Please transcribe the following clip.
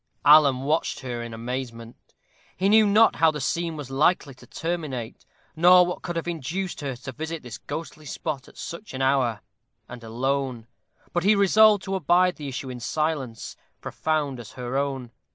Alan watched her in amazement. He knew not how the scene was likely to terminate, nor what could have induced her to visit this ghostly spot at such an hour, and alone; but he resolved to abide the issue in silence profound as her own.